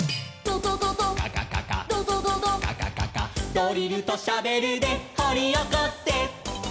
「ドリルとシャベルでほりおこせ」